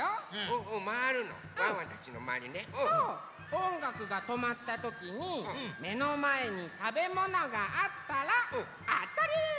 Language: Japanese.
おんがくがとまったときにめのまえにたべものがあったらあたり！